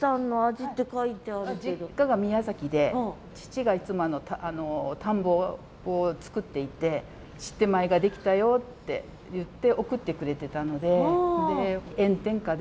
実家が宮崎で父がいつも田んぼを作っていてシッテ米ができたよっていって送ってくれてたので。